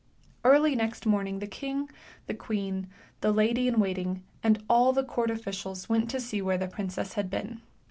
Early next morning the king, the queen, the lady in waiting, and all the court officials went to see where the princess had been.